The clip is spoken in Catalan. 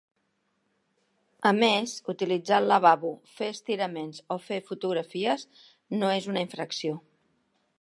A més, utilitzar el lavabo, fer estiraments o fer fotografies no és una infracció.